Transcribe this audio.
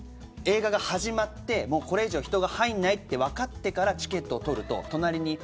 映画が始まってこれ以上、人が入らないと分かってから、チケットを取る。